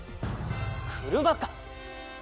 くるまか？